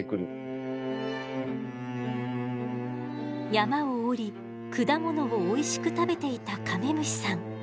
山を下り果物をおいしく食べていたカメムシさん。